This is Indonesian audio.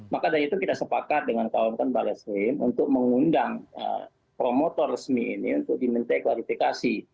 maka dari itu kita sepakat dengan kawankan baris stream untuk mengundang promotor resmi ini untuk diminta kualifikasi